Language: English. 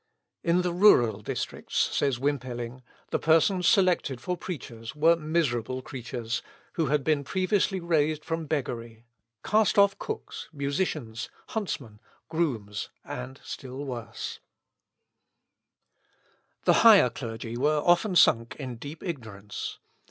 In the rural districts, says Wimpheling, the persons selected for preachers were miserable creatures, who had been previously raised from beggary, cast off cooks, musicians, huntsmen, grooms, and still worse. Apologia pro Rep. Christ. The higher clergy were often sunk in deep ignorance.